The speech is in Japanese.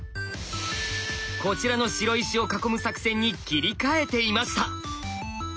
こちらの白石を囲む作戦に切り替えていました。